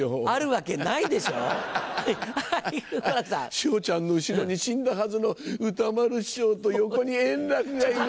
昇ちゃんの後ろに死んだはずの歌丸師匠と横に円楽がいる！